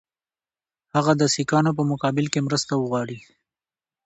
هغه د سیکهانو په مقابل کې مرسته وغواړي.